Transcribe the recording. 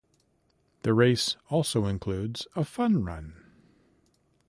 The race also includes a fun run.